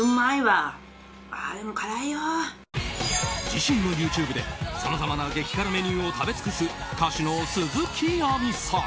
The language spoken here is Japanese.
自身のＹｏｕＴｕｂｅでさまざまな激辛メニューを食べ尽くす歌手の鈴木亜美さん。